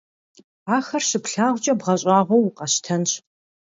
Ахэр щыплъагъукӀэ бгъэщӀагъуэу укъэщтэнщ!